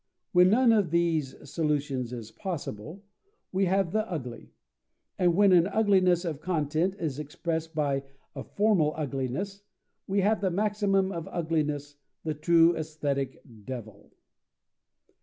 When none of these solutions is possible, we have the ugly; and when an ugliness of content is expressed by a formal ugliness, we have the maximum of ugliness, the true aesthetic devil.